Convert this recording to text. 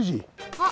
あっ。